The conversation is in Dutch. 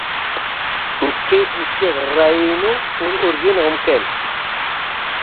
Mijns inziens zijn ze dat niet.